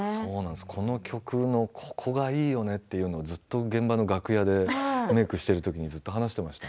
この曲のここがいいよねということを現場の楽屋でメークをしているときにずっと話していました。